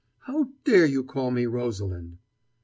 How dare you call me Rosalind?"